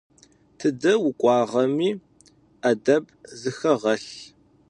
Тыдэ укӀуагъэми Ӏэдэб зыхэгъэлъ.